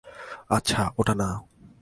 আচ্ছা, ওটা না।